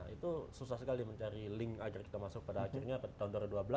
itu susah sekali mencari link agar kita masuk pada akhirnya tahun dua ribu dua belas